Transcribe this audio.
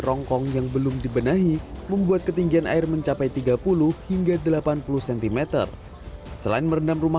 rongkong yang belum dibenahi membuat ketinggian air mencapai tiga puluh hingga delapan puluh cm selain merendam rumah